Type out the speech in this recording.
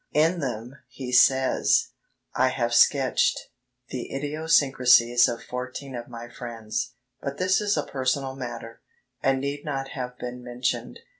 In them, he says: "I have sketched ... the idiosyncrasies of fourteen of my friends; ... but this is a personal matter, and need not have been mentioned."